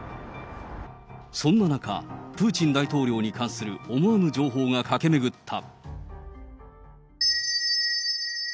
そんな中、プーチン大統領に関する思わぬ情報が駆け巡った。